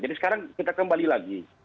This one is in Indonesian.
jadi sekarang kita kembali lagi